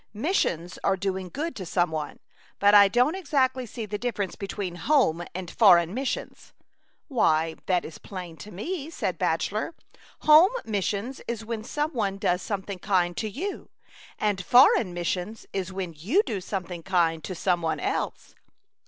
Missions are doing good to some one, but I don't I 80 A Chautauqua Idyl. exactly see the difference between home and foreign missions/' "Why, that is plain to me," said Bachelor. " Home missions is when some one does something kind to you, and foreign missions is when you do something kind to some one else."